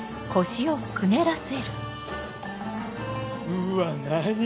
うわ何⁉